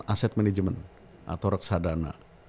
aset management atau reksadana